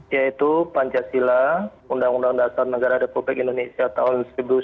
yaitu pancasila undang undang dasar negara republik indonesia tahun seribu sembilan ratus empat puluh lima